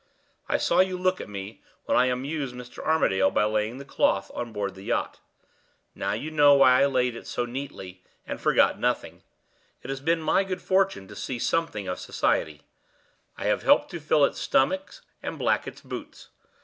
I saw you look at me, when I amused Mr. Armadale by laying the cloth on board the yacht. Now you know why I laid it so neatly, and forgot nothing. It has been my good fortune to see something of society; I have helped to fill its stomach and black its boots.